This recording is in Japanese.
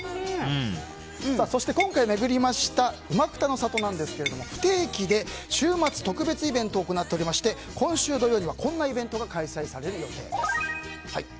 そして今回巡りましたうまくたの里なんですが不定期で週末特別イベントを行っておりまして今週土曜日はこんなイベントが開催される予定です。